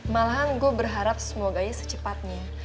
malahan gue berharap semua gaya secepatnya